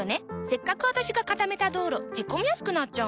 せっかく私が固めた道路へこみやすくなっちゃうの。